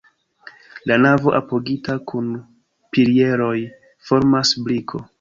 La navo apogita kun pilieroj formas briko.